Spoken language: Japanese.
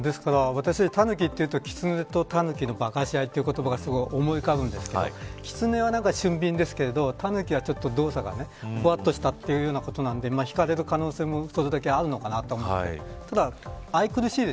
私はタヌキというとキツネとタヌキの化かし合いという言葉が思い浮かぶんですがキツネは俊敏ですがタヌキは動作がほわっとしたということなのでひかれる可能性もそれだけあるのかなと思って。